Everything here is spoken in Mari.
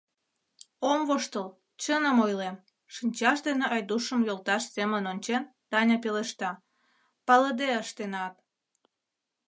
— Ом воштыл, чыным ойлем, — шинчаж дене Айдушым йолташ семын ончен, Таня пелешта, — палыде ыштенат.